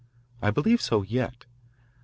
I believe so yet. Mr.